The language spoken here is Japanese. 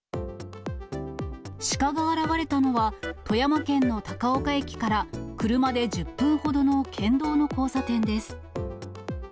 シカが現れたのは、富山県の高岡駅から車で１０分ほどの県道の交差点です。